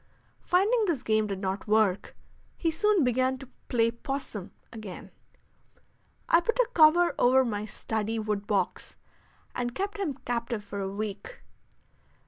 Finding this game did not work, he soon began to "play 'possum" again. I put a cover over my study wood box and kept him captive for a week.